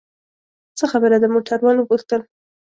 څه خبره ده؟ موټروان وپوښتل.